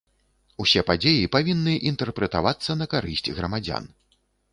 Усе падзеі павінны інтэрпрэтавацца на карысць грамадзян.